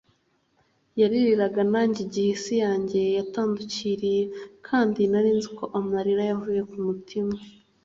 yaririraga nanjye igihe isi yanjye yatandukiriye, kandi nari nzi ko amarira yavuye kumutima.